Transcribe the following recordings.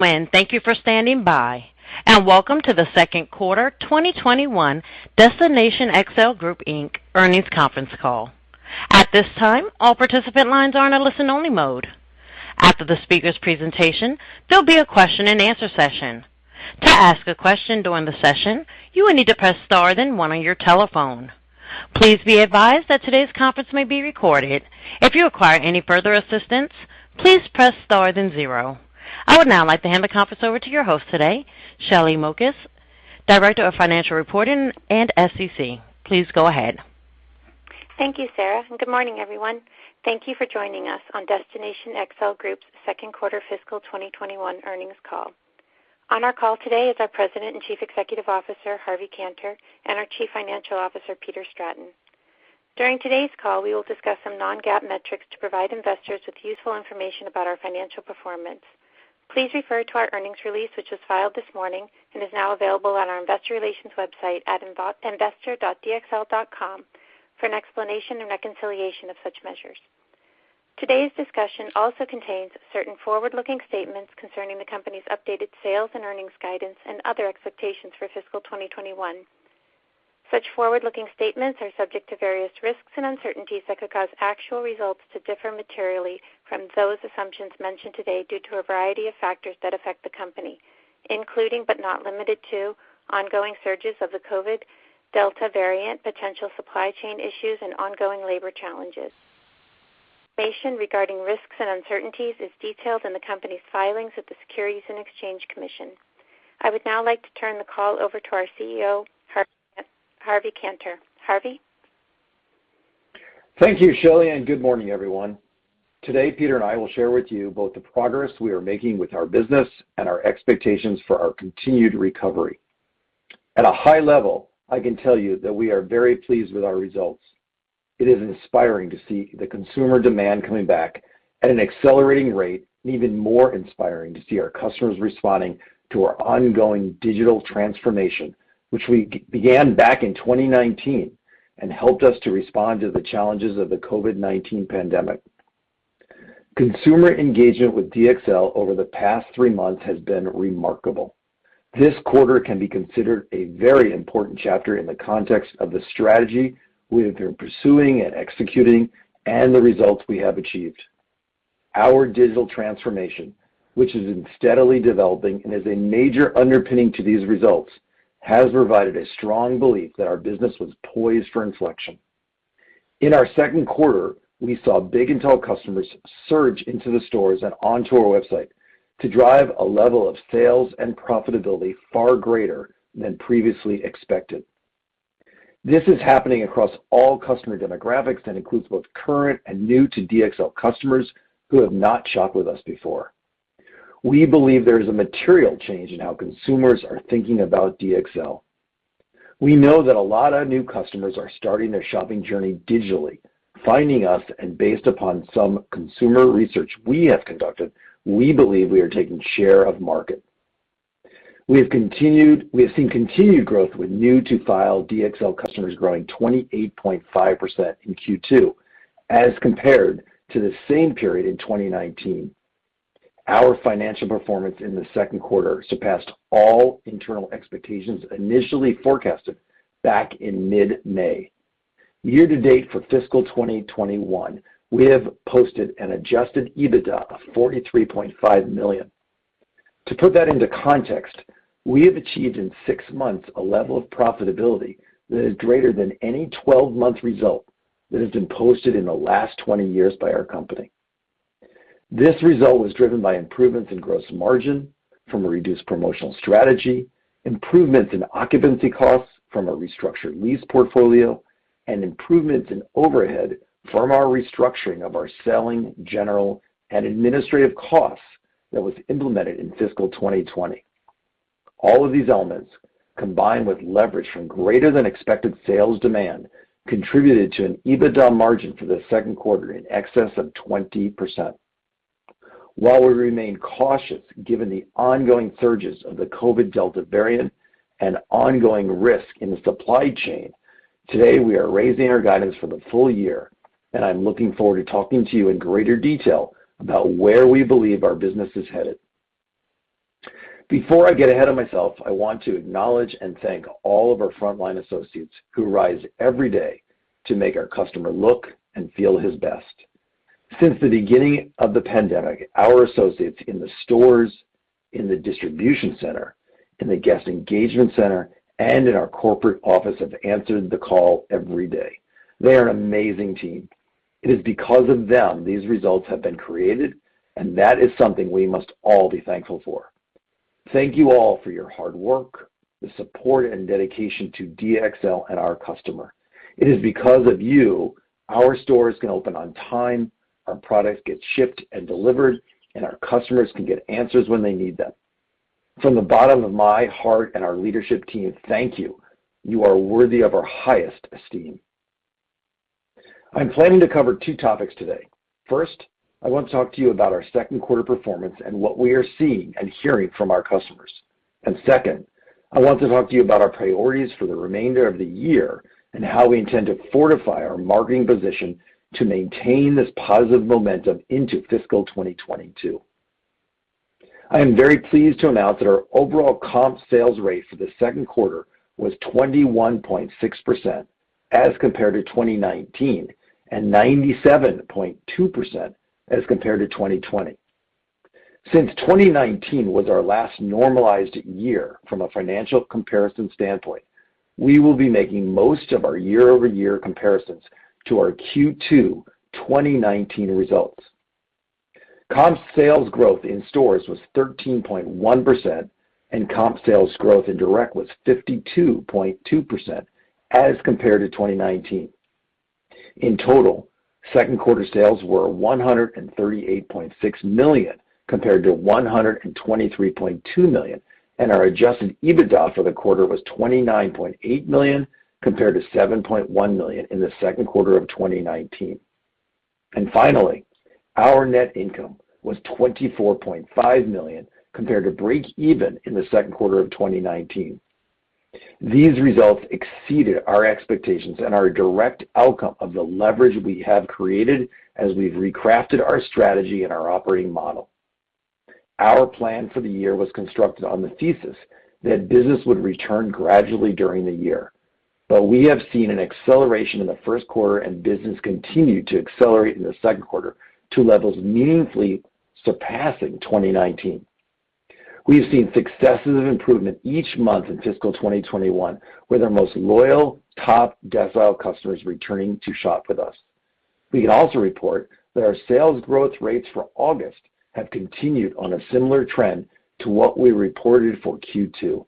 Thank you for standing by, and welcome to the second quarter 2021 Destination XL Group, Inc earnings conference call. At this time, all participant lines are in a listen-only mode. After the speakers' presentation, there'll be a question-and-answer session. To ask a question during the session, you will need to press star then one on your telephone. Please be advised that today's conference may be recorded. If you require any further assistance, please press star then zero. I would now like to hand the conference over to your host today, Shelly Mokas, Director of Financial Reporting and SEC. Please go ahead. Thank you, Sarah, and good morning, everyone. Thank you for joining us on Destination XL Group's second quarter fiscal 2021 earnings call. On our call today is our President and Chief Executive Officer, Harvey Kanter, and our Chief Financial Officer, Peter Stratton. During today's call, we will discuss some non-GAAP metrics to provide investors with useful information about our financial performance. Please refer to our earnings release, which was filed this morning and is now available on our investor relations website at investor.dxl.com for an explanation and reconciliation of such measures. Today's discussion also contains certain forward-looking statements concerning the company's updated sales and earnings guidance and other expectations for fiscal 2021. Such forward-looking statements are subject to various risks and uncertainties that could cause actual results to differ materially from those assumptions mentioned today due to a variety of factors that affect the company, including, but not limited to, ongoing surges of the COVID Delta variant, potential supply chain issues, and ongoing labor challenges. Information regarding risks and uncertainties is detailed in the company's filings with the Securities and Exchange Commission. I would now like to turn the call over to our CEO, Harvey Kanter. Harvey? Thank you, Shelly. Good morning, everyone. Today, Peter and I will share with you both the progress we are making with our business and our expectations for our continued recovery. At a high level, I can tell you that we are very pleased with our results. It is inspiring to see the consumer demand coming back at an accelerating rate, and even more inspiring to see our customers responding to our ongoing digital transformation, which we began back in 2019 and helped us to respond to the challenges of the COVID-19 pandemic. Consumer engagement with DXL over the past three months has been remarkable. This quarter can be considered a very important chapter in the context of the strategy we have been pursuing and executing and the results we have achieved. Our digital transformation, which has been steadily developing and is a major underpinning to these results, has provided a strong belief that our business was poised for inflection. In our second quarter, we saw big and tall customers surge into the stores and onto our website to drive a level of sales and profitability far greater than previously expected. This is happening across all customer demographics and includes both current and new to DXL customers who have not shopped with us before. We believe there is a material change in how consumers are thinking about DXL. We know that a lot of new customers are starting their shopping journey digitally, finding us, and based upon some consumer research we have conducted, we believe we are taking share of market. We have seen continued growth with new to file DXL customers growing 28.5% in Q2 as compared to the same period in 2019. Our financial performance in the second quarter surpassed all internal expectations initially forecasted back in mid-May. Year to date for fiscal 2021, we have posted an adjusted EBITDA of $43.5 million. To put that into context, we have achieved in six months a level of profitability that is greater than any 12-month result that has been posted in the last 20 years by our company. This result was driven by improvements in gross margin from a reduced promotional strategy, improvements in occupancy costs from a restructured lease portfolio, and improvements in overhead from our restructuring of our selling, general, and administrative costs that was implemented in fiscal 2020. All of these elements, combined with leverage from greater than expected sales demand, contributed to an EBITDA margin for the second quarter in excess of 20%. While we remain cautious given the ongoing surges of the COVID Delta variant and ongoing risk in the supply chain, today we are raising our guidance for the full year, and I'm looking forward to talking to you in greater detail about where we believe our business is headed. Before I get ahead of myself, I want to acknowledge and thank all of our frontline associates who rise every day to make our customer look and feel his best. Since the beginning of the pandemic, our associates in the stores, in the distribution center, in the guest engagement center, and in our corporate office have answered the call every day. They are an amazing team. It is because of them these results have been created, and that is something we must all be thankful for. Thank you all for your hard work, the support, and dedication to DXL and our customer. It is because of you our stores can open on time, our products get shipped and delivered, and our customers can get answers when they need them. From the bottom of my heart and our leadership team, thank you. You are worthy of our highest esteem. I'm planning to cover two topics today. First, I want to talk to you about our second quarter performance and what we are seeing and hearing from our customers. Second, I want to talk to you about our priorities for the remainder of the year and how we intend to fortify our marketing position to maintain this positive momentum into fiscal 2022. I am very pleased to announce that our overall comp sales rate for the second quarter was 21.6% as compared to 2019 and 97.2% as compared to 2020. Since 2019 was our last normalized year from a financial comparison standpoint, we will be making most of our year-over-year comparisons to our Q2 2019 results. Comp sales growth in stores was 13.1% and comp sales growth in direct was 52.2% as compared to 2019. In total, second quarter sales were $138.6 million compared to $123.2 million, and our adjusted EBITDA for the quarter was $29.8 million, compared to $7.1 million in the second quarter of 2019. Finally, our net income was $24.5 million compared to breakeven in the second quarter of 2019. These results exceeded our expectations and are a direct outcome of the leverage we have created as we've recrafted our strategy and our operating model. Our plan for the year was constructed on the thesis that business would return gradually during the year. We have seen an acceleration in the first quarter and business continued to accelerate in the second quarter to levels meaningfully surpassing 2019. We have seen successive improvement each month in fiscal 2021 with our most loyal top decile customers returning to shop with us. We can also report that our sales growth rates for August have continued on a similar trend to what we reported for Q2.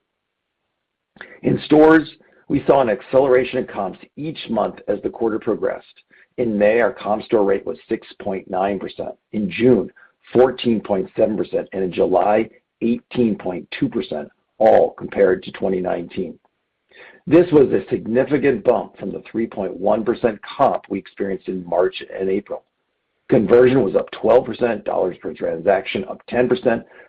In stores, we saw an acceleration in comps each month as the quarter progressed. In May, our comp store rate was 6.9%. In June, 14.7%, and in July, 18.2%, all compared to 2019. This was a significant bump from the 3.1% comp we experienced in March and April. Conversion was up 12%, dollars per transaction up 10%,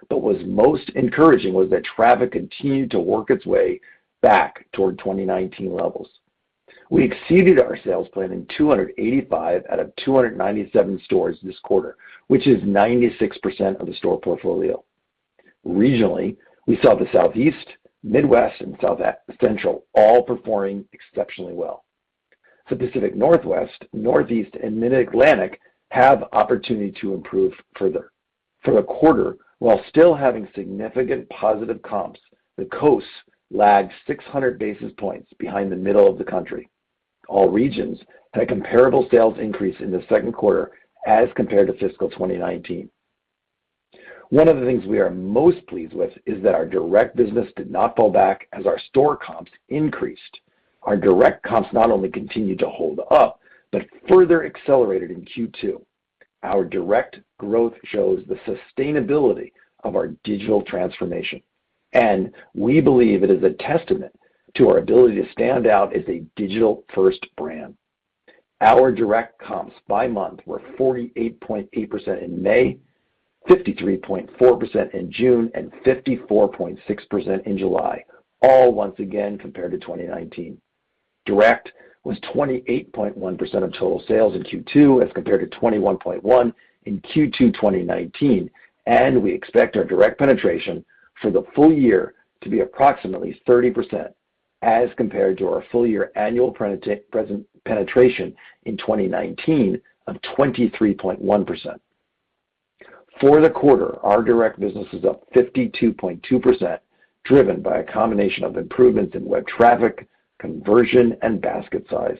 but what was most encouraging was that traffic continued to work its way back toward 2019 levels. We exceeded our sales plan in 285 out of 297 stores this quarter, which is 96% of the store portfolio. Regionally, we saw the Southeast, Midwest, and South Central all performing exceptionally well. The Pacific Northwest, Northeast, and Mid-Atlantic have opportunity to improve further. For the quarter, while still having significant positive comps, the coasts lagged 600 basis points behind the middle of the country. All regions had a comparable sales increase in the second quarter as compared to fiscal 2019. One of the things we are most pleased with is that our direct business did not fall back as our store comps increased. Our direct comps not only continued to hold up, but further accelerated in Q2. Our direct growth shows the sustainability of our digital transformation, and we believe it is a testament to our ability to stand out as a digital-first brand. Our direct comps by month were 48.8% in May, 53.4% in June, and 54.6% in July, all once again compared to 2019. Direct was 28.1% of total sales in Q2 as compared to 21.1% in Q2 2019, and we expect our direct penetration for the full year to be approximately 30% as compared to our full-year annual penetration in 2019 of 23.1%. For the quarter, our direct business was up 52.2%, driven by a combination of improvements in web traffic, conversion, and basket size.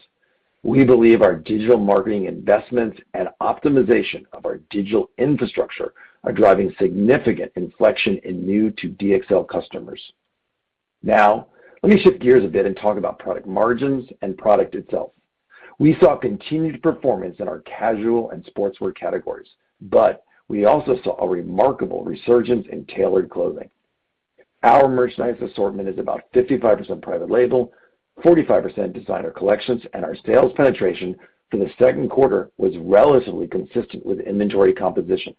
We believe our digital marketing investments and optimization of our digital infrastructure are driving significant inflection in new-to-DXL customers. Now, let me shift gears a bit and talk about product margins and product itself. We saw continued performance in our casual and sportswear categories, but we also saw a remarkable resurgence in tailored clothing. Our merchandise assortment is about 55% private label, 45% designer collections, and our sales penetration for the second quarter was relatively consistent with inventory composition.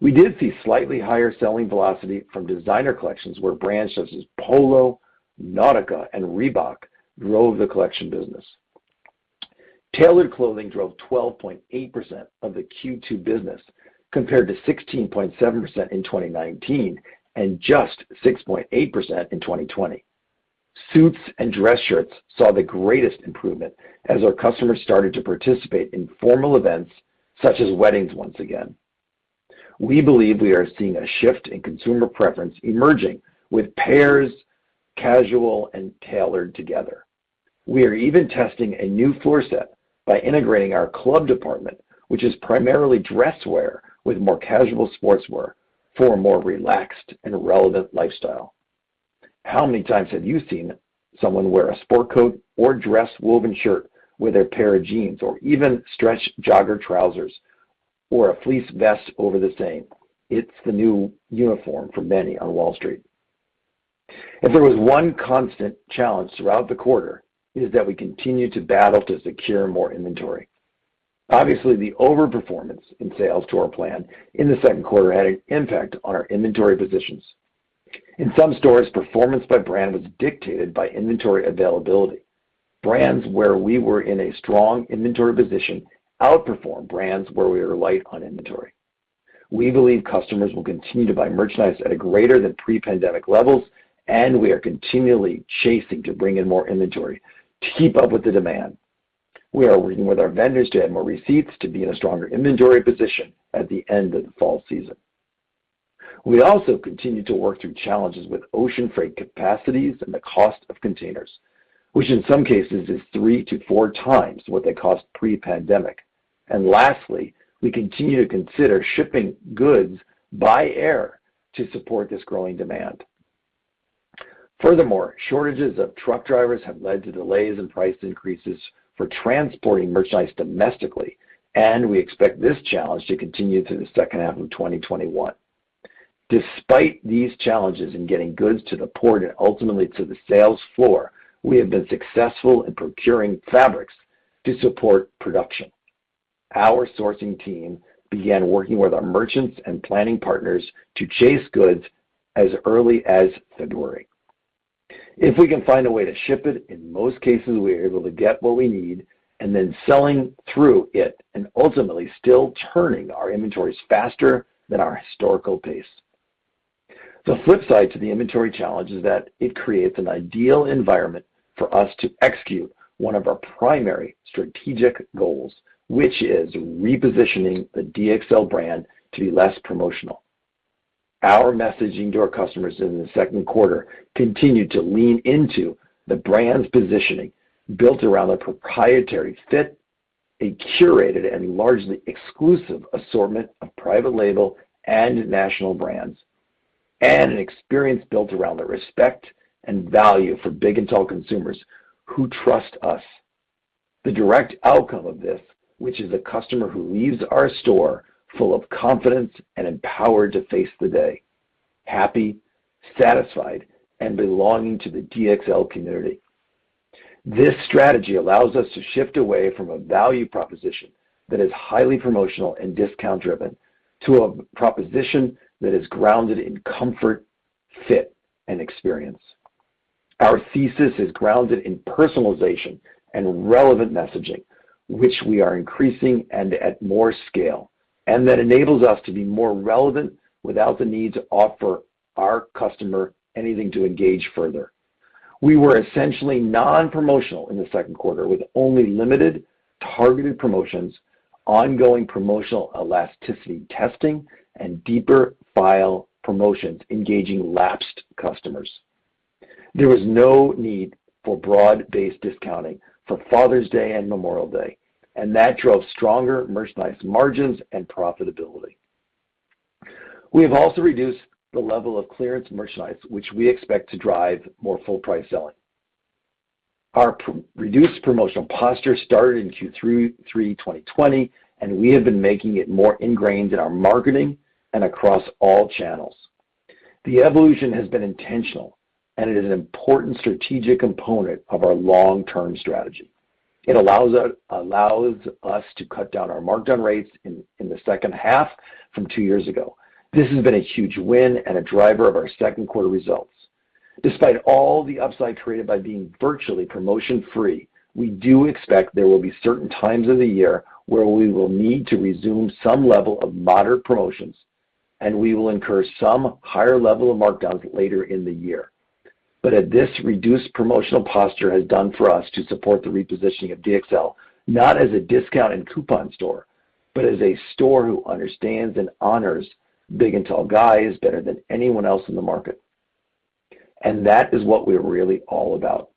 We did see slightly higher selling velocity from designer collections where brands such as Polo, Nautica, and Reebok drove the collection business. Tailored clothing drove 12.8% of the Q2 business, compared to 16.7% in 2019 and just 6.8% in 2020. Suits and dress shirts saw the greatest improvement as our customers started to participate in formal events such as weddings once again. We believe we are seeing a shift in consumer preference emerging with pairs casual and tailored together. We are even testing a new floor set by integrating our club department, which is primarily dress wear, with more casual sportswear for a more relaxed and relevant lifestyle. How many times have you seen someone wear a sport coat or dress woven shirt with a pair of jeans, or even stretch jogger trousers or a fleece vest over the same? It's the new uniform for many on Wall Street. If there was one constant challenge throughout the quarter, it is that we continue to battle to secure more inventory. Obviously, the over-performance in sales to our plan in the second quarter had an impact on our inventory positions. In some stores, performance by brand was dictated by inventory availability. Brands where we were in a strong inventory position outperformed brands where we were light on inventory. We believe customers will continue to buy merchandise at a greater than pre-pandemic levels, and we are continually chasing to bring in more inventory to keep up with the demand. We are working with our vendors to add more receipts to be in a stronger inventory position at the end of the fall season. We also continue to work through challenges with ocean freight capacities and the cost of containers, which in some cases is 3x to 4x what they cost pre-pandemic. Lastly, we continue to consider shipping goods by air to support this growing demand. Furthermore, shortages of truck drivers have led to delays and price increases for transporting merchandise domestically, and we expect this challenge to continue through the second half of 2021. Despite these challenges in getting goods to the port and ultimately to the sales floor, we have been successful in procuring fabrics to support production. Our sourcing team began working with our merchants and planning partners to chase goods as early as February. If we can find a way to ship it, in most cases, we are able to get what we need and then selling through it and ultimately still turning our inventories faster than our historical pace. The flip side to the inventory challenge is that it creates an ideal environment for us to execute one of our primary strategic goals, which is repositioning the DXL brand to be less promotional. Our messaging to our customers in the second quarter continued to lean into the brand's positioning, built around a proprietary fit, a curated and largely exclusive assortment of private label and national brands, and an experience built around the respect and value for Big + Tall consumers who trust us. The direct outcome of this, which is a customer who leaves our store full of confidence and empowered to face the day, happy, satisfied, and belonging to the DXL community. This strategy allows us to shift away from a value proposition that is highly promotional and discount-driven to a proposition that is grounded in comfort, fit, and experience. Our thesis is grounded in personalization and relevant messaging, which we are increasing and at more scale, and that enables us to be more relevant without the need to offer our customer anything to engage further. We were essentially non-promotional in the second quarter with only limited targeted promotions, ongoing promotional elasticity testing, and deeper file promotions engaging lapsed customers. There was no need for broad-based discounting for Father's Day and Memorial Day. That drove stronger merchandise margins and profitability. We have also reduced the level of clearance merchandise, which we expect to drive more full-price selling. Our reduced promotional posture started in Q3 2020. We have been making it more ingrained in our marketing and across all channels. The evolution has been intentional. It is an important strategic component of our long-term strategy. It allows us to cut down our markdown rates in the second half from two years ago. This has been a huge win and a driver of our second quarter results. Despite all the upside created by being virtually promotion-free, we do expect there will be certain times of the year where we will need to resume some level of moderate promotions, and we will incur some higher level of markdowns later in the year. This reduced promotional posture has done for us to support the repositioning of DXL, not as a discount and coupon store, but as a store who understands and honors big and tall guys better than anyone else in the market. That is what we're really all about.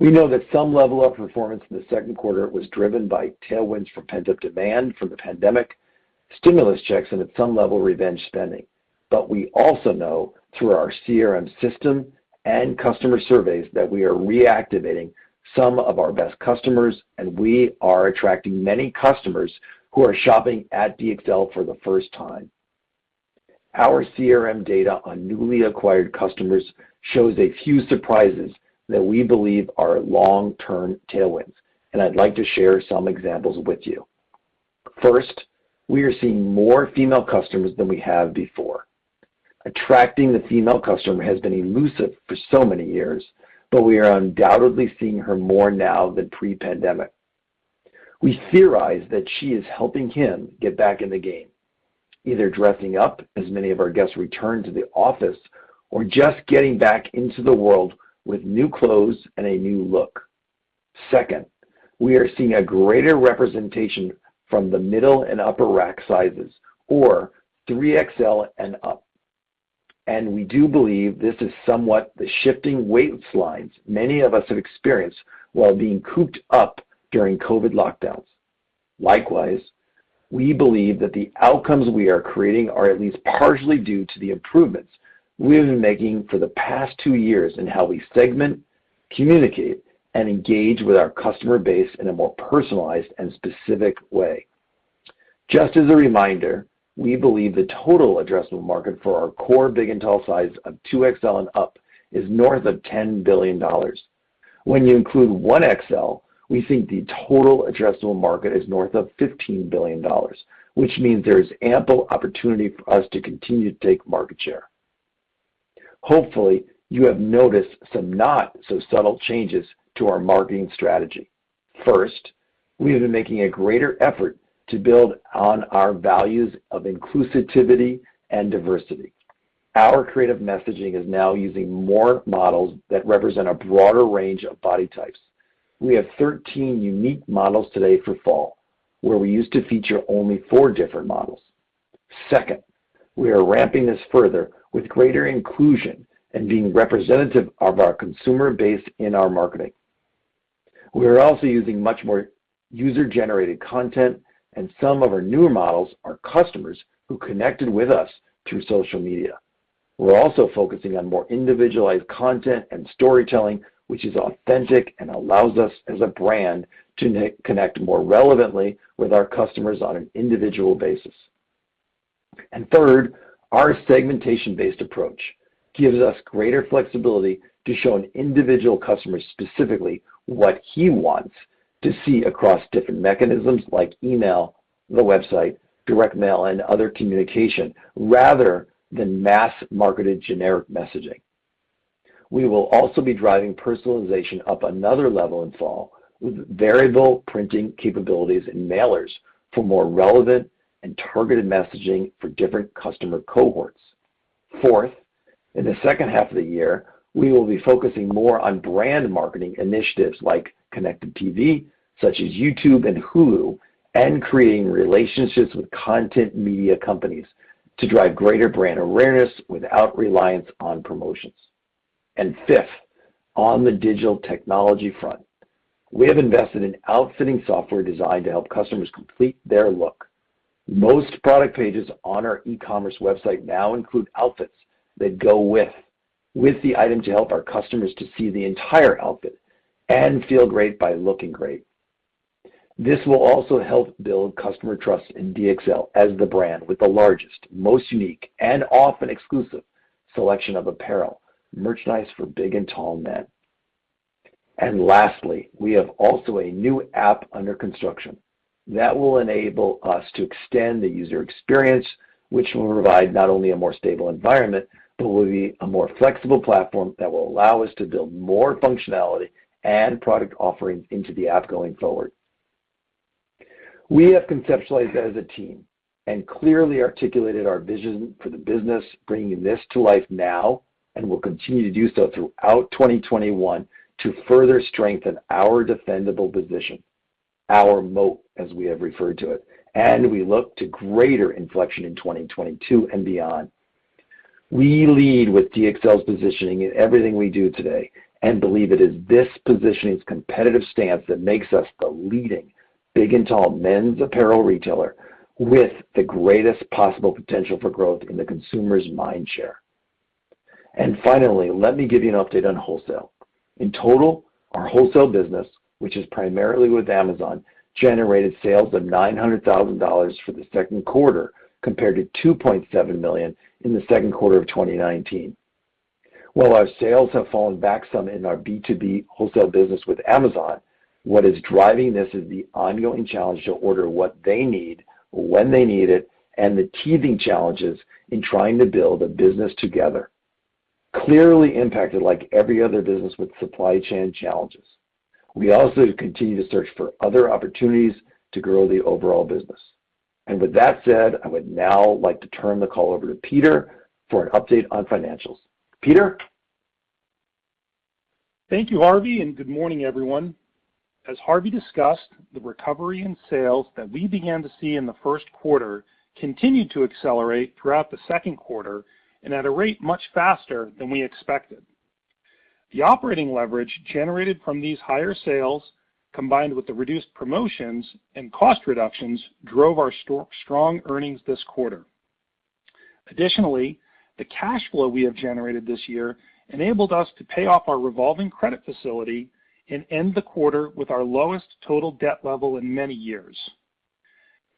We know that some level of performance in the second quarter was driven by tailwinds from pent-up demand from the pandemic stimulus checks and at some level, revenge spending. We also know through our CRM system and customer surveys that we are reactivating some of our best customers, and we are attracting many customers who are shopping at DXL for the first time. Our CRM data on newly acquired customers shows a few surprises that we believe are long-term tailwinds, and I'd like to share some examples with you. First, we are seeing more female customers than we have before. Attracting the female customer has been elusive for so many years, but we are undoubtedly seeing her more now than pre-pandemic. We theorize that she is helping him get back in the game, either dressing up as many of our guests return to the office or just getting back into the world with new clothes and a new look. Second, we are seeing a greater representation from the middle and upper rack sizes or 3XL and up. We do believe this is somewhat the shifting weight slides many of us have experienced while being cooped up during COVID lockdowns. Likewise, we believe that the outcomes we are creating are at least partially due to the improvements we have been making for the past two years in how we segment, communicate, and engage with our customer base in a more personalized and specific way. As a reminder, we believe the total addressable market for our core big and tall size of 2XL and up is north of $10 billion. When you include 1XL, we think the total addressable market is north of $15 billion, which means there is ample opportunity for us to continue to take market share. Hopefully, you have noticed some not-so-subtle changes to our marketing strategy. First, we have been making a greater effort to build on our values of inclusivity and diversity. Our creative messaging is now using more models that represent a broader range of body types. We have 13 unique models today for fall, where we used to feature only four different models. Second, we are ramping this further with greater inclusion and being representative of our consumer base in our marketing. We are also using much more user-generated content, and some of our newer models are customers who connected with us through social media. We're also focusing on more individualized content and storytelling, which is authentic and allows us as a brand to connect more relevantly with our customers on an individual basis. Third, our segmentation-based approach gives us greater flexibility to show an individual customer specifically what he wants to see across different mechanisms like email, the website, direct mail, and other communication, rather than mass-marketed generic messaging. We will also be driving personalization up another level in fall with variable printing capabilities in mailers for more relevant and targeted messaging for different customer cohorts. Fourth, in the second half of the year, we will be focusing more on brand marketing initiatives like connected TV, such as YouTube and Hulu, and creating relationships with content media companies to drive greater brand awareness without reliance on promotions. Fifth, on the digital technology front, we have invested in outfitting software designed to help customers complete their look. Most product pages on our e-commerce website now include outfits that go with the item to help our customers to see the entire outfit and feel great by looking great. This will also help build customer trust in DXL as the brand with the largest, most unique, and often exclusive selection of apparel merchandise for Big + Tall men. Lastly, we have also a new app under construction that will enable us to extend the user experience, which will provide not only a more stable environment, but will be a more flexible platform that will allow us to build more functionality and product offerings into the app going forward. We have conceptualized as a team and clearly articulated our vision for the business, bringing this to life now, and will continue to do so throughout 2021 to further strengthen our defendable position, our moat, as we have referred to it, and we look to greater inflection in 2022 and beyond. We lead with DXL's positioning in everything we do today and believe it is this positioning's competitive stance that makes us the leading big and tall men's apparel retailer with the greatest possible potential for growth in the consumer's mind share. Finally, let me give you an update on wholesale. In total, our wholesale business, which is primarily with Amazon, generated sales of $900,000 for the second quarter, compared to $2.7 million in the second quarter of 2019. While our sales have fallen back some in our B2B wholesale business with Amazon, what is driving this is the ongoing challenge to order what they need, when they need it, and the teething challenges in trying to build a business together, clearly impacted like every other business with supply chain challenges. We also continue to search for other opportunities to grow the overall business. With that said, I would now like to turn the call over to Peter for an update on financials. Peter? Thank you, Harvey, and good morning, everyone. As Harvey discussed, the recovery in sales that we began to see in the first quarter continued to accelerate throughout the second quarter and at a rate much faster than we expected. The operating leverage generated from these higher sales, combined with the reduced promotions and cost reductions, drove our strong earnings this quarter. Additionally, the cash flow we have generated this year enabled us to pay off our revolving credit facility and end the quarter with our lowest total debt level in many years.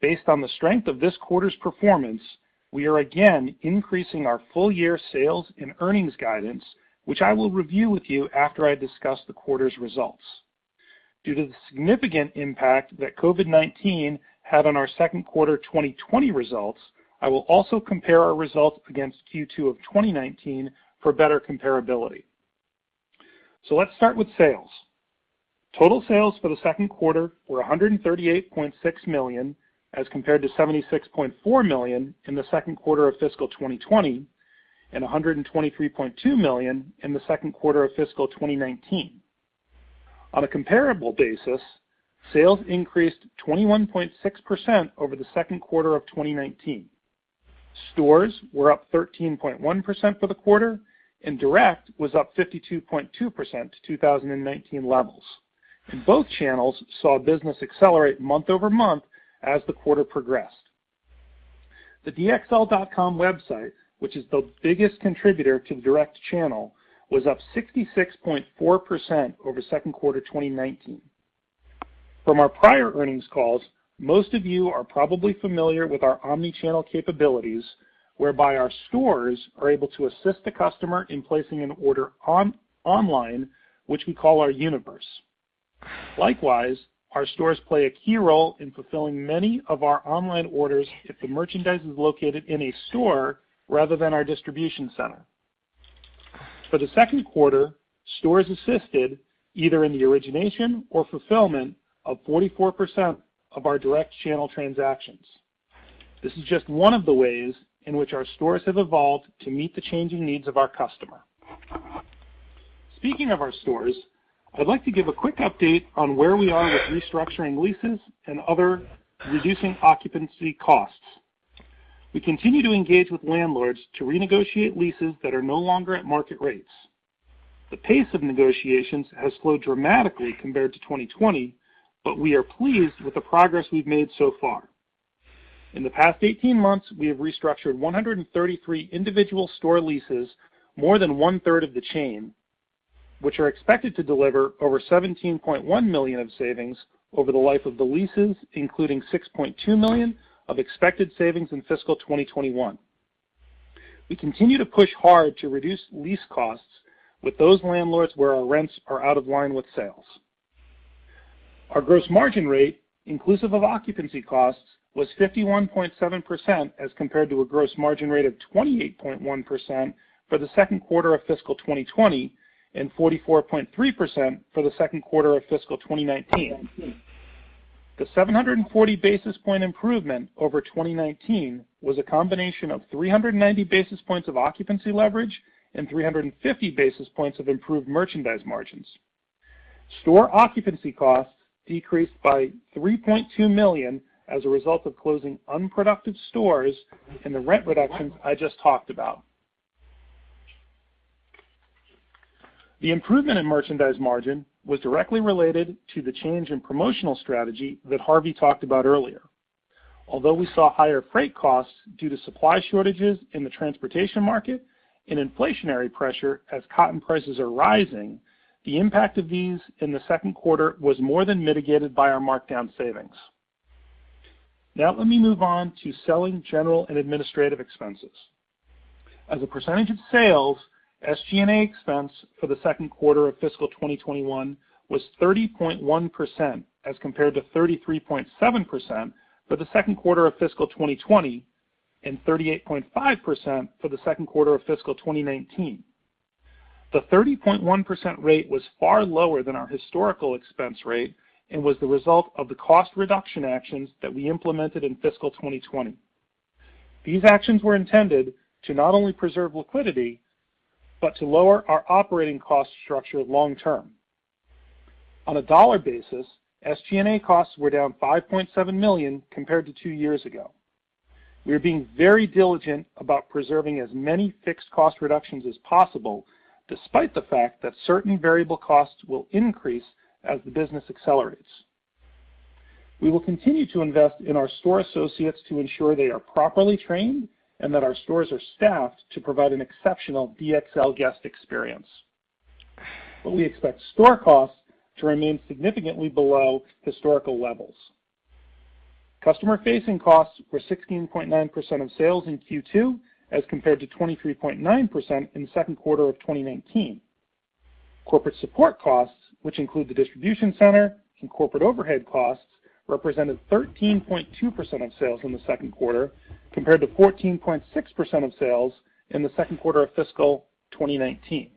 Based on the strength of this quarter's performance, we are again increasing our full-year sales and earnings guidance, which I will review with you after I discuss the quarter's results. Due to the significant impact that COVID-19 had on our second quarter 2020 results, I will also compare our results against Q2 of 2019 for better comparability. Let's start with sales. Total sales for the second quarter were $138.6 million, as compared to $76.4 million in the second quarter of fiscal 2020 and $123.2 million in the second quarter of fiscal 2019. On a comparable basis, sales increased 21.6% over the second quarter of 2019. Stores were up 13.1% for the quarter, and direct was up 52.2% to 2019 levels. Both channels saw business accelerate month-over-month as the quarter progressed. The dxl.com website, which is the biggest contributor to direct channel, was up 66.4% over second quarter 2019. From our prior earnings calls, most of you are probably familiar with our omni-channel capabilities, whereby our stores are able to assist the customer in placing an order online, which we call our universe. Likewise, our stores play a key role in fulfilling many of our online orders if the merchandise is located in a store rather than our distribution center. For the second quarter, stores assisted either in the origination or fulfillment of 44% of our direct channel transactions. This is just one of the ways in which our stores have evolved to meet the changing needs of our customer. Speaking of our stores, I'd like to give a quick update on where we are with restructuring leases and other reducing occupancy costs. We continue to engage with landlords to renegotiate leases that are no longer at market rates. The pace of negotiations has slowed dramatically compared to 2020, but we are pleased with the progress we've made so far. In the past 18 months, we have restructured 133 individual store leases, more than 1/3 of the chain, which are expected to deliver over $17.1 million of savings over the life of the leases, including $6.2 million of expected savings in fiscal 2021. We continue to push hard to reduce lease costs with those landlords where our rents are out of line with sales. Our gross margin rate, inclusive of occupancy costs, was 51.7%, as compared to a gross margin rate of 28.1% for the second quarter of fiscal 2020 and 44.3% for the second quarter of fiscal 2019. The 740 basis point improvement over 2019 was a combination of 390 basis points of occupancy leverage and 350 basis points of improved merchandise margins. Store occupancy costs decreased by $3.2 million as a result of closing unproductive stores and the rent reductions I just talked about. The improvement in merchandise margin was directly related to the change in promotional strategy that Harvey talked about earlier. Although we saw higher freight costs due to supply shortages in the transportation market and inflationary pressure as cotton prices are rising, the impact of these in the second quarter was more than mitigated by our markdown savings. Let me move on to selling, general, and administrative expenses. As a percentage of sales, SG&A expense for the second quarter of fiscal 2021 was 30.1%, as compared to 33.7% for the second quarter of fiscal 2020 and 38.5% for the second quarter of fiscal 2019. The 30.1% rate was far lower than our historical expense rate and was the result of the cost reduction actions that we implemented in fiscal 2020. These actions were intended to not only preserve liquidity but to lower our operating cost structure long term. On a dollar basis, SG&A costs were down $5.7 million compared to two years ago. We are being very diligent about preserving as many fixed cost reductions as possible, despite the fact that certain variable costs will increase as the business accelerates. We will continue to invest in our store associates to ensure they are properly trained and that our stores are staffed to provide an exceptional DXL guest experience, but we expect store costs to remain significantly below historical levels. Customer-facing costs were 16.9% of sales in Q2 as compared to 23.9% in the second quarter of 2019. Corporate support costs, which include the distribution center and corporate overhead costs, represented 13.2% of sales in the second quarter, compared to 14.6% of sales in the second quarter of fiscal 2019.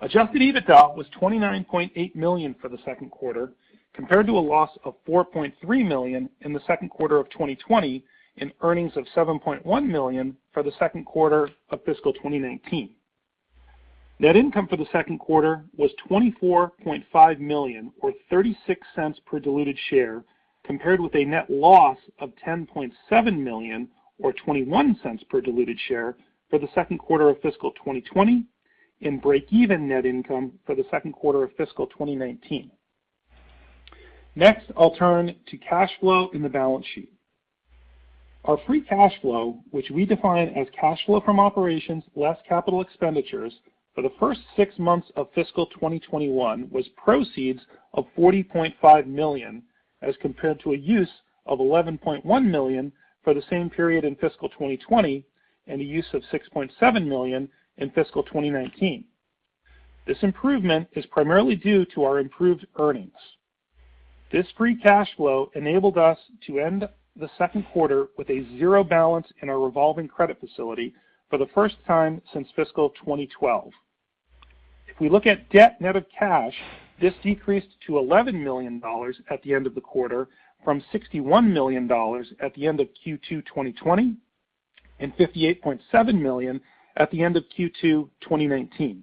Adjusted EBITDA was $29.8 million for the second quarter, compared to a loss of $4.3 million in the second quarter of 2020 and earnings of $7.1 million for the second quarter of fiscal 2019. Net income for the second quarter was $24.5 million, or $0.36 per diluted share, compared with a net loss of $10.7 million or $0.21 per diluted share for the second quarter of fiscal 2020 and break-even net income for the second quarter of fiscal 2019. Next, I'll turn to cash flow and the balance sheet. Our free cash flow, which we define as cash flow from operations less capital expenditures for the first six months of fiscal 2021, was proceeds of $40.5 million, as compared to a use of $11.1 million for the same period in fiscal 2020 and a use of $6.7 million in fiscal 2019. This improvement is primarily due to our improved earnings. This free cash flow enabled us to end the second quarter with a zero balance in our revolving credit facility for the first time since fiscal 2012. If we look at debt net of cash, this decreased to $11 million at the end of the quarter from $61 million at the end of Q2 2020 and $58.7 million at the end of Q2 2019.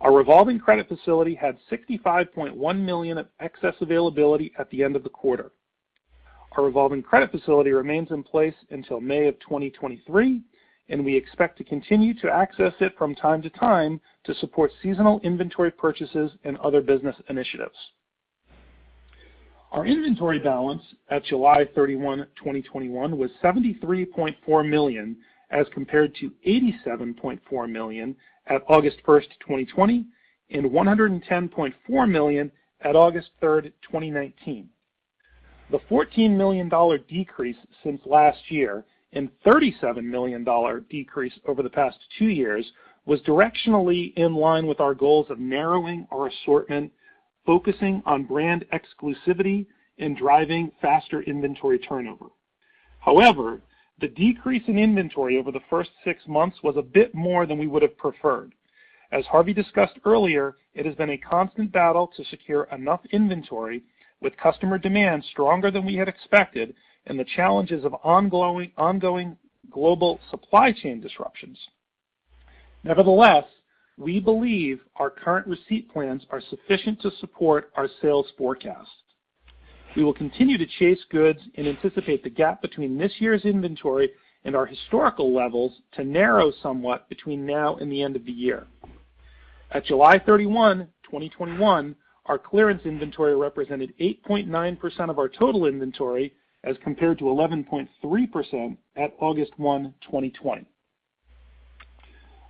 Our revolving credit facility had $65.1 million of excess availability at the end of the quarter. Our revolving credit facility remains in place until May of 2023, and we expect to continue to access it from time to time to support seasonal inventory purchases and other business initiatives. Our inventory balance at July 31, 2021, was $73.4 million as compared to $87.4 million at August 1st, 2020, and $110.4 million at August 3rd, 2019. The $14 million decrease since last year and $37 million decrease over the past two years was directionally in line with our goals of narrowing our assortment, focusing on brand exclusivity, and driving faster inventory turnover. The decrease in inventory over the first six months was a bit more than we would have preferred. As Harvey discussed earlier, it has been a constant battle to secure enough inventory, with customer demand stronger than we had expected and the challenges of ongoing global supply chain disruptions. We believe our current receipt plans are sufficient to support our sales forecast. We will continue to chase goods and anticipate the gap between this year's inventory and our historical levels to narrow somewhat between now and the end of the year. At July 31, 2021, our clearance inventory represented 8.9% of our total inventory, as compared to 11.3% at August 1, 2020.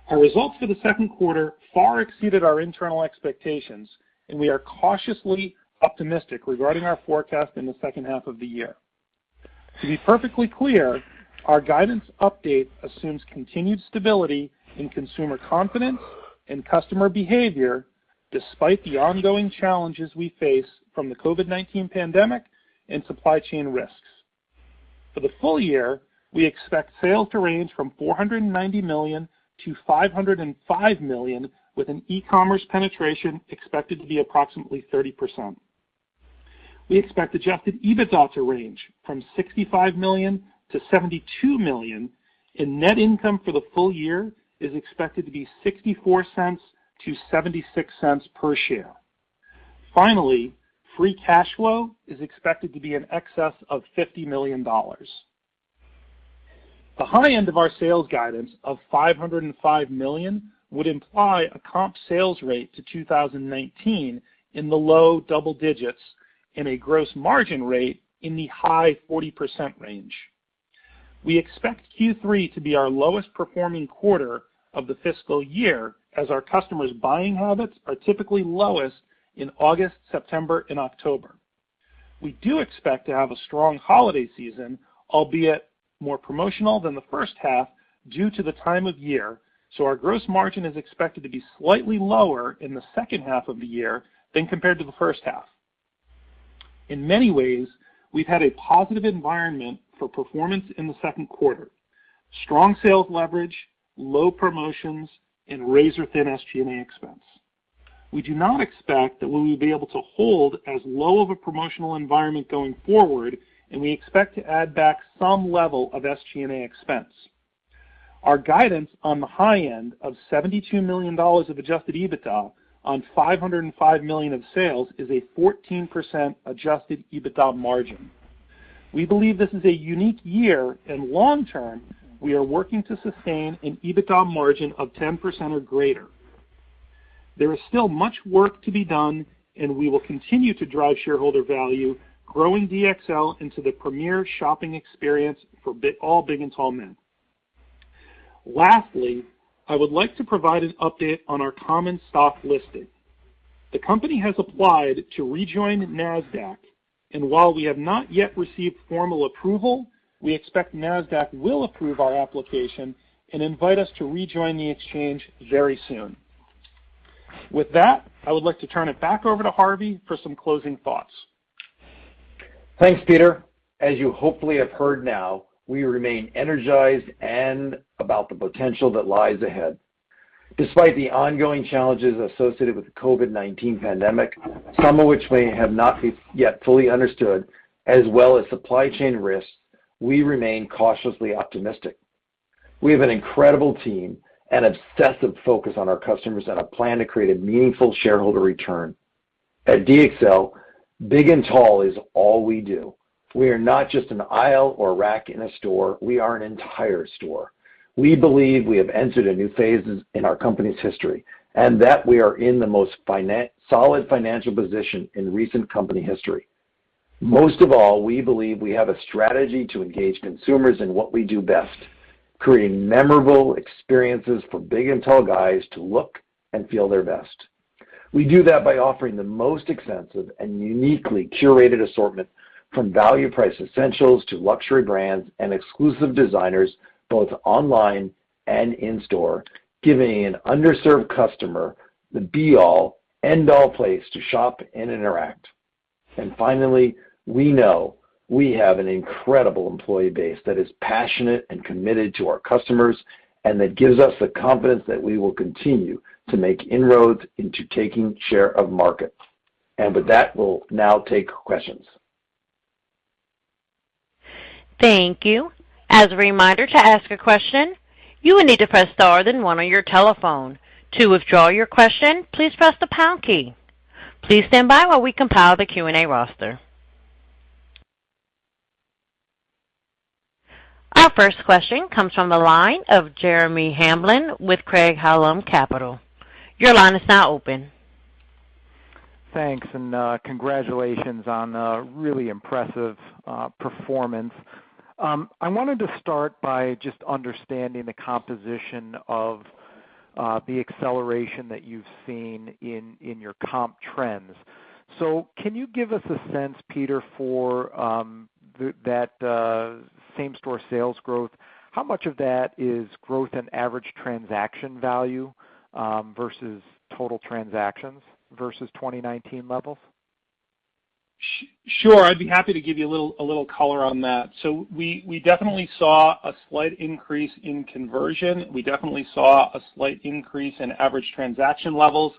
Our results for the second quarter far exceeded our internal expectations, and we are cautiously optimistic regarding our forecast in the second half of the year. To be perfectly clear, our guidance update assumes continued stability in consumer confidence and customer behavior, despite the ongoing challenges we face from the COVID-19 pandemic and supply chain risks. For the full year, we expect sales to range from $490 million-$505 million, with an e-commerce penetration expected to be approximately 30%. We expect adjusted EBITDA to range from $65 million-$72 million, and net income for the full year is expected to be $0.64-$0.76 per share. Finally, free cash flow is expected to be in excess of $50 million. The high end of our sales guidance of $505 million would imply a comp sales rate to 2019 in the low double digits and a gross margin rate in the high 40% range. We expect Q3 to be our lowest performing quarter of the fiscal year, as our customers' buying habits are typically lowest in August, September, and October. We do expect to have a strong holiday season, albeit more promotional than the first half due to the time of year, so our gross margin is expected to be slightly lower in the second half of the year than compared to the first half. In many ways, we've had a positive environment for performance in the second quarter: strong sales leverage, low promotions, and razor-thin SG&A expense. We do not expect that we will be able to hold as low of a promotional environment going forward, and we expect to add back some level of SG&A expense. Our guidance on the high end of $72 million of adjusted EBITDA on $505 million of sales is a 14% adjusted EBITDA margin. We believe this is a unique year, and long term, we are working to sustain an EBITDA margin of 10% or greater. There is still much work to be done, and we will continue to drive shareholder value, growing DXL into the premier shopping experience for all big and tall men. Lastly, I would like to provide an update on our common stock listing. The company has applied to rejoin NASDAQ, and while we have not yet received formal approval, we expect NASDAQ will approve our application and invite us to rejoin the exchange very soon. With that, I would like to turn it back over to Harvey for some closing thoughts. Thanks, Peter. As you hopefully have heard now, we remain energized and about the potential that lies ahead. Despite the ongoing challenges associated with the COVID-19 pandemic, some of which may have not been yet fully understood, as well as supply chain risks, we remain cautiously optimistic. We have an incredible team, an obsessive focus on our customers, and a plan to create a meaningful shareholder return. At DXL, big and tall is all we do. We are not just an aisle or rack in a store. We are an entire store. We believe we have entered a new phase in our company's history, and that we are in the most solid financial position in recent company history. Most of all, we believe we have a strategy to engage consumers in what we do best, creating memorable experiences for big and tall guys to look and feel their best. We do that by offering the most extensive and uniquely curated assortment, from value-priced essentials to luxury brands and exclusive designers, both online and in store, giving an underserved customer the be-all, end-all place to shop and interact. Finally, we know we have an incredible employee base that is passionate and committed to our customers, and that gives us the confidence that we will continue to make inroads into taking share of market. With that, we'll now take questions. Thank you. As a reminder to ask a question, you will need to press star then one on your telephone. To withdraw your question, please press the pound key. Please stand by while we combine the Q&A roster. Our first question comes from the line of Jeremy Hamblin with Craig-Hallum Capital. Your line is now open. Thanks, congratulations on a really impressive performance. I wanted to start by just understanding the composition of the acceleration that you've seen in your comp trends. Can you give us a sense, Peter, for that same-store sales growth, how much of that is growth in average transaction value versus total transactions versus 2019 levels? Sure. I'd be happy to give you a little color on that. We definitely saw a slight increase in conversion. We definitely saw a slight increase in average transaction levels.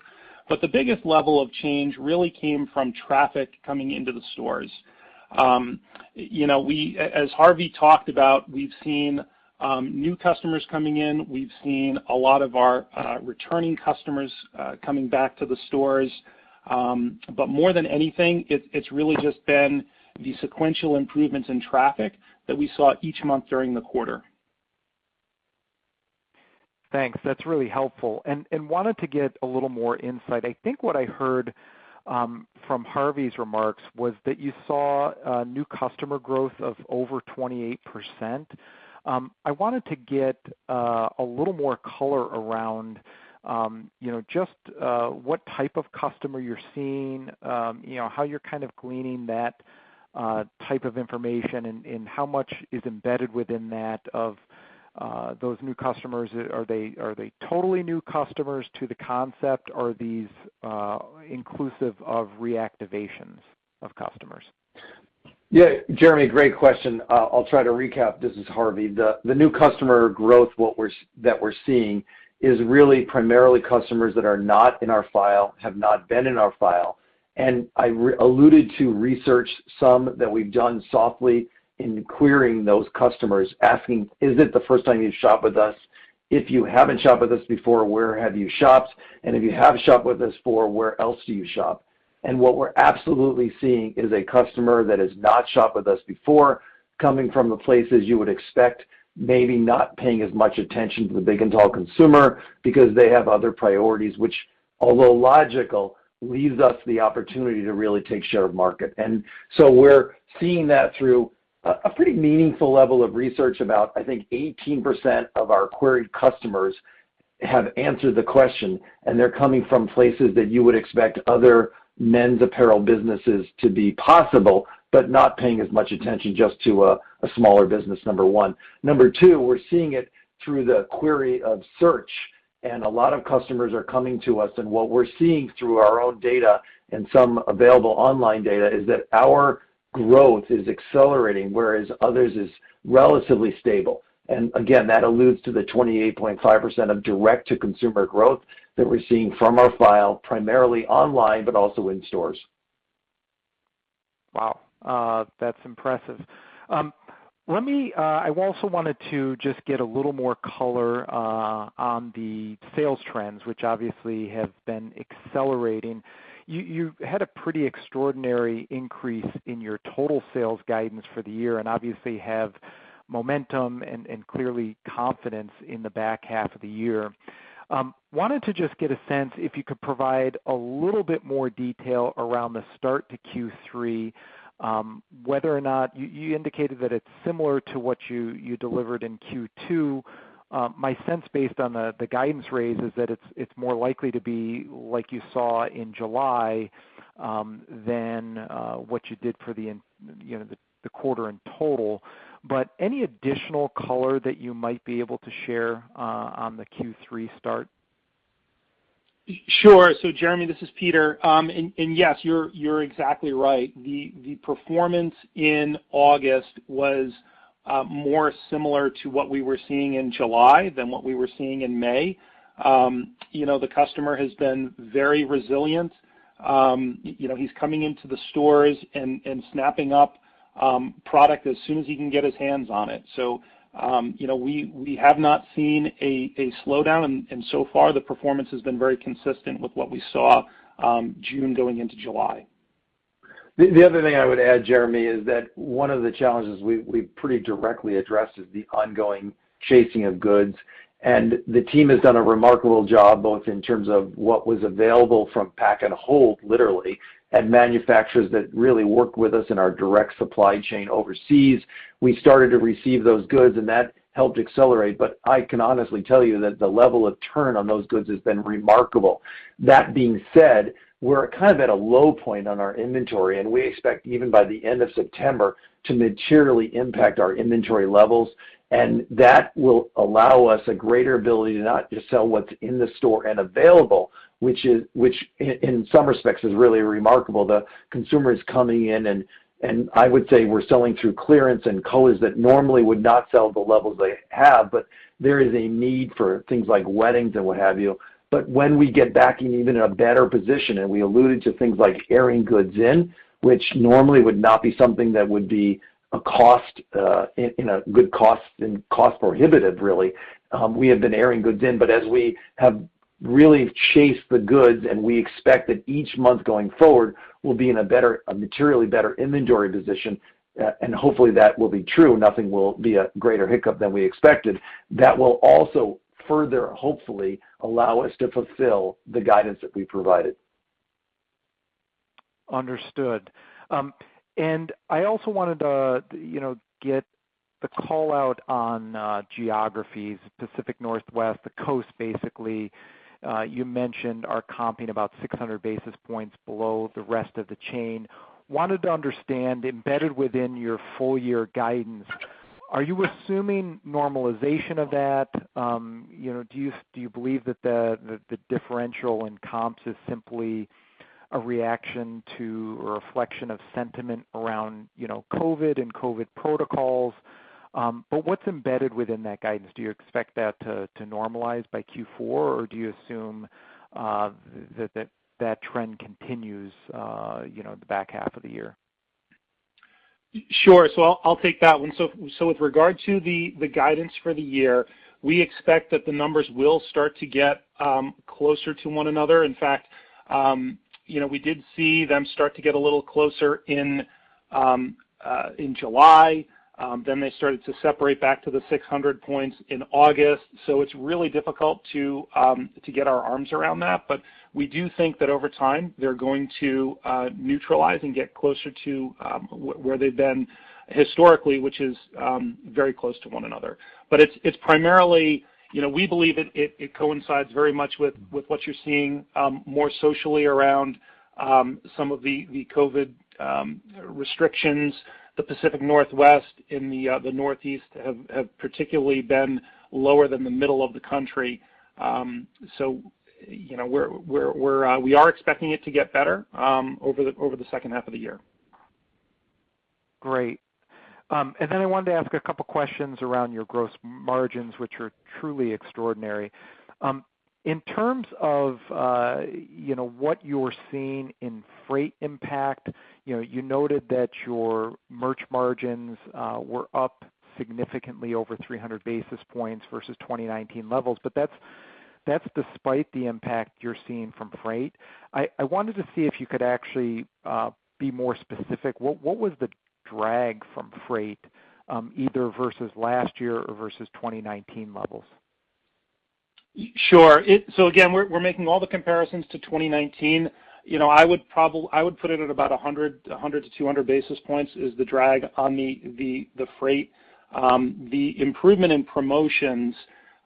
The biggest level of change really came from traffic coming into the stores. As Harvey talked about, we've seen new customers coming in. We've seen a lot of our returning customers coming back to the stores. More than anything, it's really just been the sequential improvements in traffic that we saw each month during the quarter. Thanks. That's really helpful. Wanted to get a little more insight. I think what I heard from Harvey's remarks was that you saw a new customer growth of over 28%. I wanted to get a little more color around just what type of customer you're seeing, how you're kind of gleaning that type of information, and how much is embedded within that of those new customers. Are they totally new customers to the concept, or are these inclusive of reactivations of customers? Yeah, Jeremy, great question. I'll try to recap. This is Harvey. The new customer growth that we're seeing is really primarily customers that are not in our file, have not been in our file. I alluded to research, some that we've done softly in querying those customers, asking, "Is it the first time you've shopped with us? If you haven't shopped with us before, where have you shopped? And if you have shopped with us before, where else do you shop?" What we're absolutely seeing is a customer that has not shopped with us before, coming from the places you would expect, maybe not paying as much attention to the big and tall consumer because they have other priorities, which, although logical, leaves us the opportunity to really take share of market. We're seeing that through a pretty meaningful level of research. About, I think, 18% of our queried customers have answered the question, and they're coming from places that you would expect other men's apparel businesses to be possible, but not paying as much attention just to a smaller business, number one. Number two, we're seeing it through the query of search, and a lot of customers are coming to us, and what we're seeing through our own data and some available online data is that our growth is accelerating, whereas others' is relatively stable. Again, that alludes to the 28.5% of direct-to-consumer growth that we're seeing from our file, primarily online, but also in stores. Wow. That's impressive. I also wanted to just get a little more color on the sales trends, which obviously have been accelerating. You've had a pretty extraordinary increase in your total sales guidance for the year and obviously have momentum and clearly confidence in the back half of the year. I wanted to just get a sense, if you could provide a little bit more detail around the start to Q3, whether or not you indicated that it's similar to what you delivered in Q2. My sense, based on the guidance raise, is that it's more likely to be like you saw in July than what you did for the quarter in total. Any additional color that you might be able to share on the Q3 start? Sure. Jeremy, this is Peter. Yes, you're exactly right. The performance in August was more similar to what we were seeing in July than what we were seeing in May. The customer has been very resilient. He's coming into the stores and snapping up product as soon as he can get his hands on it. We have not seen a slowdown, and so far, the performance has been very consistent with what we saw June going into July. The other thing I would add, Jeremy, is that one of the challenges we pretty directly addressed is the ongoing chasing of goods. The team has done a remarkable job, both in terms of what was available from pack and hold, literally, and manufacturers that really work with us in our direct supply chain overseas. We started to receive those goods, that helped accelerate. I can honestly tell you that the level of turn on those goods has been remarkable. That being said, we're kind of at a low point on our inventory, we expect even by the end of September to materially impact our inventory levels, that will allow us a greater ability to not just sell what's in the store and available, which in some respects is really remarkable. The consumer is coming in and I would say we're selling through clearance and colors that normally would not sell the levels they have, but there is a need for things like weddings and what have you. When we get back in even a better position, and we alluded to things like airing goods in, which normally would not be something that would be cost-prohibitive, really. We have been airing goods in, but Really chase the goods, and we expect that each month going forward, we'll be in a materially better inventory position. Hopefully, that will be true. Nothing will be a greater hiccup than we expected. That will also further, hopefully, allow us to fulfill the guidance that we provided. Understood. I also wanted to get the call-out on geographies, Pacific Northwest, the coast, basically. You mentioned are comping about 600 basis points below the rest of the chain. Wanted to understand, embedded within your full year guidance, are you assuming normalization of that? Do you believe that the differential in comps is simply a reaction to, or a reflection of sentiment around COVID and COVID protocols? What's embedded within that guidance? Do you expect that to normalize by Q4, or do you assume that trend continues the back half of the year? Sure. I'll take that one. With regard to the guidance for the year, we expect that the numbers will start to get closer to one another. In fact, we did see them start to get a little closer in July. They started to separate back to the 600 points in August. It's really difficult to get our arms around that. We do think that over time, they're going to neutralize and get closer to where they've been historically, which is very close to one another. We believe it coincides very much with what you're seeing more socially around some of the COVID restrictions. The Pacific Northwest and the Northeast have particularly been lower than the middle of the country. We are expecting it to get better over the 2nd half of the year. Great. I wanted to ask a couple of questions around your gross margins, which are truly extraordinary. In terms of what you're seeing in freight impact, you noted that your merch margins were up significantly over 300 basis points versus 2019 levels, but that's despite the impact you're seeing from freight. I wanted to see if you could actually be more specific. What was the drag from freight, either versus last year or versus 2019 levels? Sure. Again, we're making all the comparisons to 2019. I would put it at about 100-200 basis points is the drag on the freight. The improvement in promotions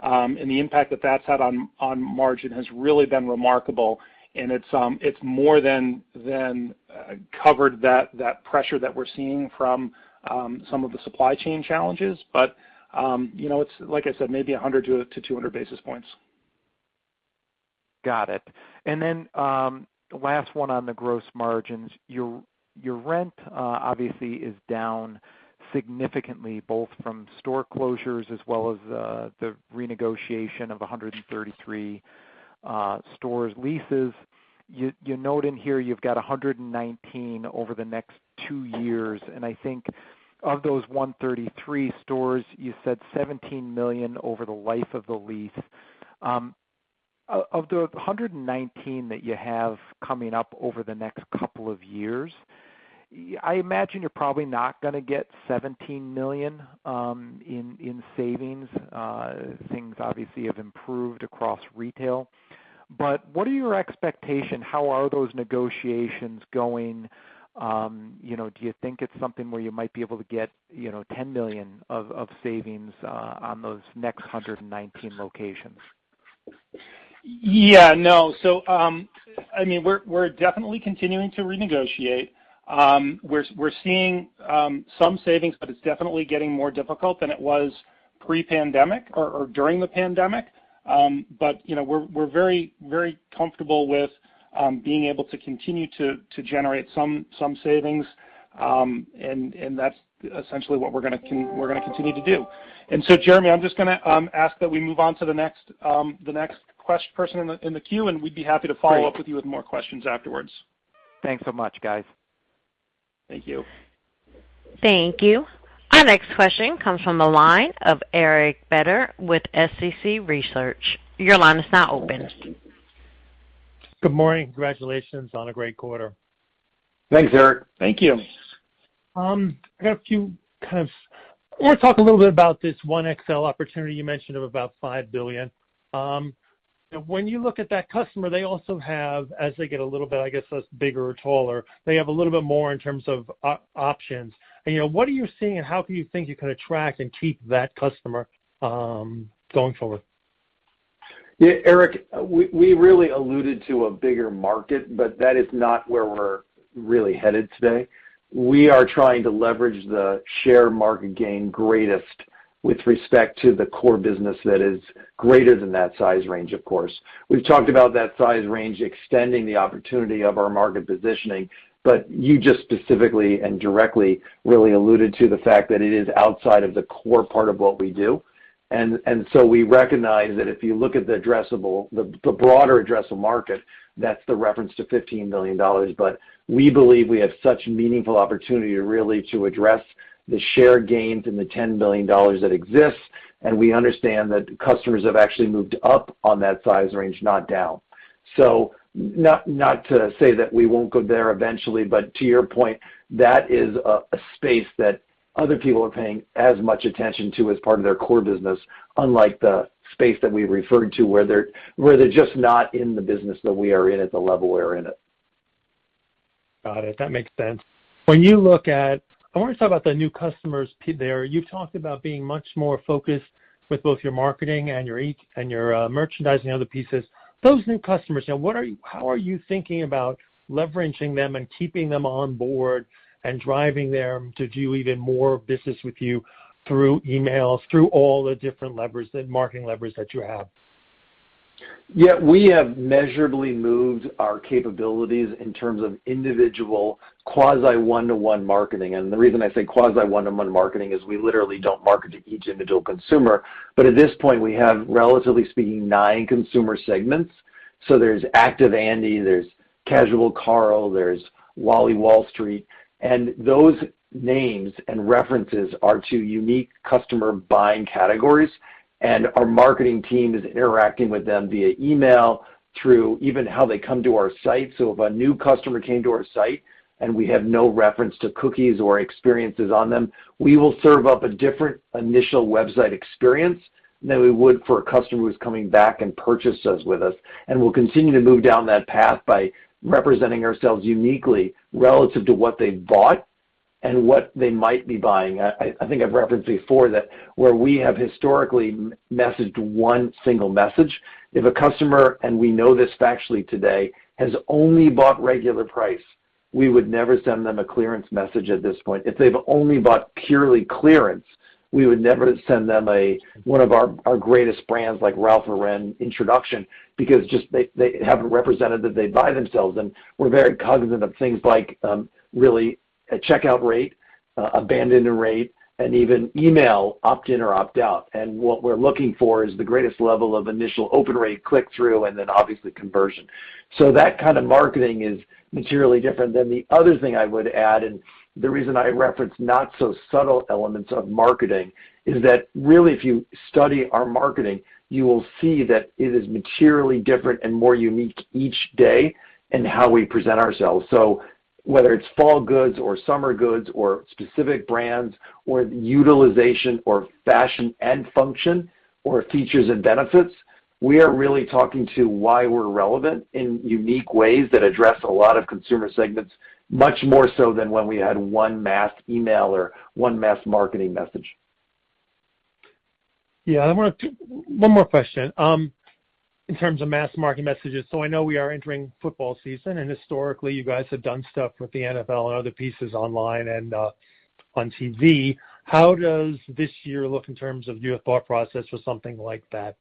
and the impact that that's had on margin has really been remarkable, and it's more than covered that pressure that we're seeing from some of the supply chain challenges. It's like I said, maybe 100-200 basis points. Got it. Last one on the gross margins. Your rent, obviously, is down significantly, both from store closures as well as the renegotiation of 133 stores leases. You note in here you've got 119 over the next two years, and I think of those 133 stores, you said $17 million over the life of the lease. Of the 119 that you have coming up over the next couple of years, I imagine you're probably not going to get $17 million in savings. Things obviously have improved across retail. What are your expectation? How are those negotiations going? Do you think it's something where you might be able to get $10 million of savings on those next 119 locations? No. We're definitely continuing to renegotiate. We're seeing some savings, but it's definitely getting more difficult than it was pre-pandemic or during the pandemic. We're very comfortable with being able to continue to generate some savings, and that's essentially what we're going to continue to do. Jeremy, I'm just going to ask that we move on to the next person in the queue, and we'd be happy to follow up with you with more questions afterwards. Thanks so much, guys. Thank you. Thank you. Our next question comes from the line of Eric Beder with SCC Research. Your line is now open. Good morning. Congratulations on a great quarter. Thanks, Eric. Thank you. I want to talk a little bit about this one XL opportunity you mentioned of about $5 billion. When you look at that customer, they also have, as they get a little bit, I guess, bigger or taller, they have a little bit more in terms of options. What are you seeing and how do you think you can attract and keep that customer going forward? Yeah, Eric, we really alluded to a bigger market, but that is not where we're really headed today. We are trying to leverage the share market gain greatest with respect to the core business that is greater than that size range, of course. We've talked about that size range extending the opportunity of our market positioning. You just specifically and directly really alluded to the fact that it is outside of the core part of what we do. We recognize that if you look at the broader addressable market, that's the reference to $15 billion. We believe we have such meaningful opportunity really to address the share gains and the $10 billion that exists. We understand that customers have actually moved up on that size range, not down. Not to say that we won there eventually, but to your point, that is a space that other people are paying as much attention to as part of their core business, unlike the space that we referred to, where they're just not in the business that we are in at the level we're in it. Got it. That makes sense. I want to talk about the new customers there. You talked about being much more focused with both your marketing and your merchandising, other pieces. Those new customers now, how are you thinking about leveraging them and keeping them on board and driving them to do even more business with you through emails, through all the different levers, the marketing levers that you have? Yeah. We have measurably moved our capabilities in terms of individual quasi 1-to-1 marketing. The reason I say quasi 1-to-1 marketing is we literally don't market to each individual consumer. At this point, we have, relatively speaking, nine consumer segments. There's Active Andy, there's Casual Carl, there's Wally Wall Street, and those names and references are to unique customer buying categories. Our marketing team is interacting with them via email, through even how they come to our site. If a new customer came to our site and we have no reference to cookies or experiences on them, we will serve up a different initial website experience than we would for a customer who's coming back and purchases with us. We'll continue to move down that path by representing ourselves uniquely relative to what they've bought and what they might be buying. I think I've referenced before that where we have historically messaged one single message, if a customer, and we know this factually today, has only bought regular price, we would never send them a clearance message at this point. If they've only bought purely clearance, we would never send them one of our greatest brands, like Ralph Lauren introduction, because just they have represented that they buy themselves. We're very cognizant of things like, really, a checkout rate, abandoner rate, and even email opt-in or opt-out. What we're looking for is the greatest level of initial open rate click-through, and then obviously conversion. That kind of marketing is materially different than the other thing I would add, and the reason I reference not so subtle elements of marketing is that really, if you study our marketing, you will see that it is materially different and more unique each day in how we present ourselves. Whether it's fall goods or summer goods or specific brands, or utilization of fashion and function or features and benefits, we are really talking to why we're relevant in unique ways that address a lot of consumer segments, much more so than when we had one mass email or one mass marketing message. Yeah. One more question. In terms of mass marketing messages, I know we are entering football season, and historically, you guys have done stuff with the NFL and other pieces online and on TV. How does this year look in terms of your thought process for something like that?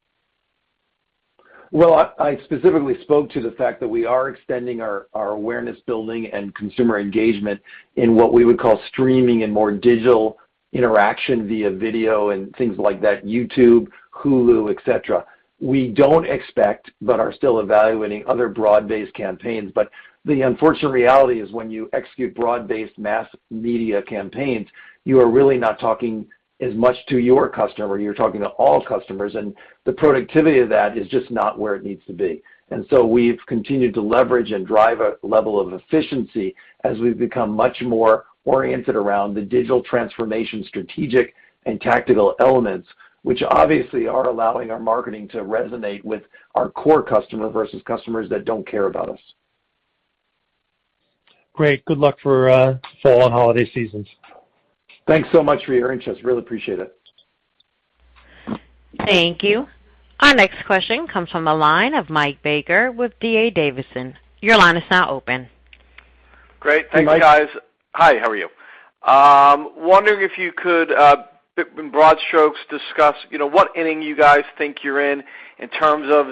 Well, I specifically spoke to the fact that we are extending our awareness building and consumer engagement in what we would call streaming and more digital interaction via video and things like that, YouTube, Hulu, et cetera. We don't expect, but are still evaluating other broad-based campaigns. The unfortunate reality is, when you execute broad-based mass media campaigns, you are really not talking as much to your customer. You're talking to all customers, and the productivity of that is just not where it needs to be. We've continued to leverage and drive a level of efficiency as we've become much more oriented around the digital transformation strategic and tactical elements, which obviously are allowing our marketing to resonate with our core customer versus customers that don't care about us. Great. Good luck for fall and holiday seasons. Thanks so much for your interest. Really appreciate it. Thank you. Our next question comes from the line of Mike Baker with D.A. Davidson. Your line is now open. Great. Thanks, guys. Hey, Mike. Hi. How are you? Wondering if you could, in broad strokes, discuss what inning you guys think you're in terms of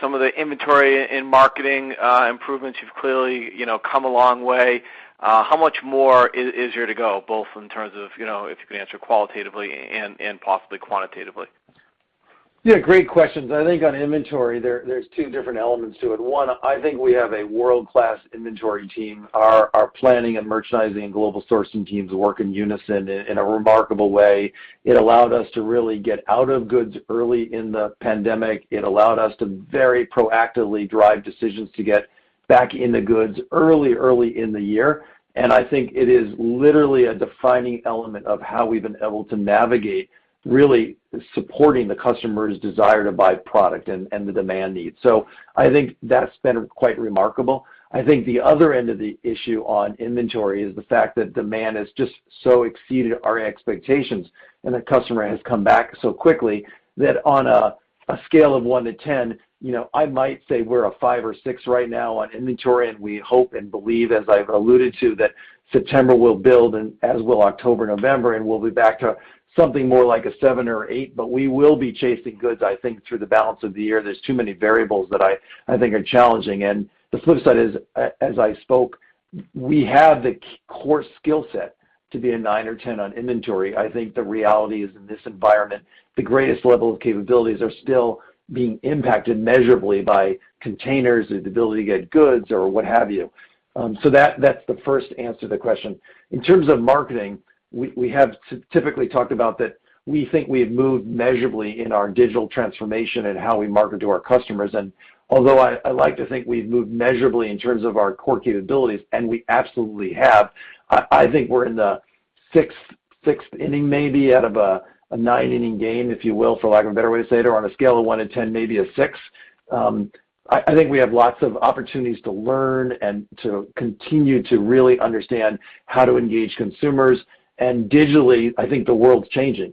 some of the inventory and marketing improvements? You've clearly come a long way. How much more is there to go, both in terms of, if you can answer qualitatively and possibly quantitatively? Yeah, great questions. I think on inventory, there's 2 different elements to it. 1, I think we have a world-class inventory team. Our planning and merchandising and global sourcing teams work in unison in a remarkable way. It allowed us to really get out of goods early in the pandemic. It allowed us to very proactively drive decisions to get back in the goods early in the year. I think it is literally a defining element of how we've been able to navigate, really supporting the customer's desire to buy product and the demand needs. I think that's been quite remarkable. I think the other end of the issue on inventory is the fact that demand has just so exceeded our expectations, and the customer has come back so quickly that on a scale of 1-10, I might say we're a five or six right now on inventory, and we hope and believe, as I've alluded to, that September will build, and as will October, November, and we'll be back to something more like a seven or eight. We will be chasing goods, I think, through the balance of the year. There's too many variables that I think are challenging. The flip side is, as I spoke, we have the core skill set to be a nine or 10 on inventory. I think the reality is, in this environment, the greatest level of capabilities are still being impacted measurably by containers, the ability to get goods or what have you. That's the first answer to the question. In terms of marketing, we have typically talked about that we think we have moved measurably in our digital transformation and how we market to our customers. Although I like to think we've moved measurably in terms of our core capabilities, and we absolutely have. I think we're in a sixth-inning, maybe out of a nine-inning game, if you will, for lack of a better way to say it, or on a scale of 1-10, maybe a six. I think we have lots of opportunities to learn and to continue to really understand how to engage consumers. Digitally, I think the world's changing.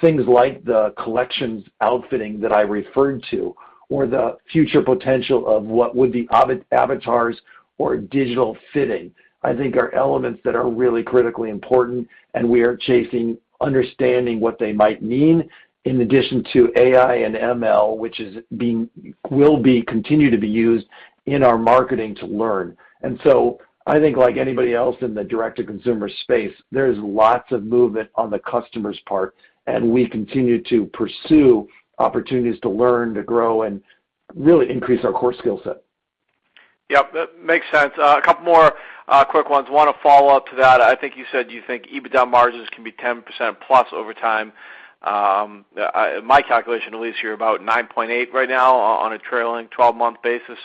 Things like the collections outfitting that I referred to, or the future potential of what would be avatars or digital fitting, I think are elements that are really critically important, and we are chasing understanding what they might mean, in addition to AI and ML, which will continue to be used in our marketing to learn. I think like anybody else in the direct-to-consumer space, there's lots of movement on the customer's part, and we continue to pursue opportunities to learn, to grow, and really increase our core skill set. Yep. Makes sense. A couple more quick ones. One follow-up to that. I think you said you think EBITDA margins can be 10%+ over time. My calculation, at least, you're about 9.8% right now on a trailing 12-month basis.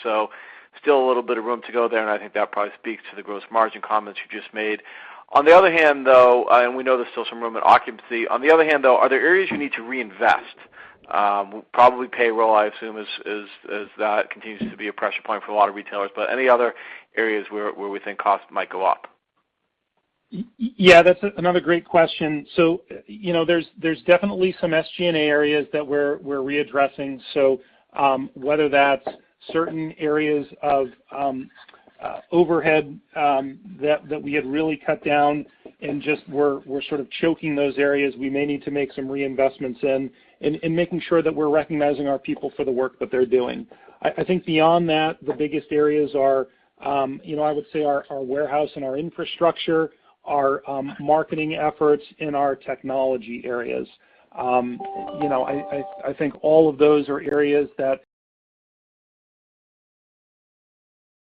Still a little bit of room to go there, and I think that probably speaks to the gross margin comments you just made. We know there's still some room in occupancy. On the other hand, though, are there areas you need to reinvest? Probably payroll, I assume, as that continues to be a pressure point for a lot of retailers, but any other areas where we think cost might go up? Yeah, that's another great question. There's definitely some SG&A areas that we're readdressing. Whether that's certain areas of overhead that we had really cut down and just we're sort of choking those areas, we may need to make some reinvestments in, and making sure that we're recognizing our people for the work that they're doing. I think beyond that, the biggest areas are, I would say our warehouse and our infrastructure, our marketing efforts, and our technology areas. I think all of those are areas that.